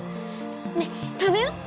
ねっ食べよ！